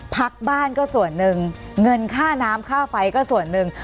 พักบ้านก็ส่วนหนึ่งเงินค่าน้ำค่าไฟก็ส่วนหนึ่ง